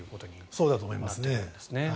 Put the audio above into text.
そうだと思います。